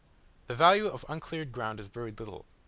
The value of uncleared ground is very little.